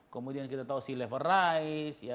kemudian kita tahu sea level rise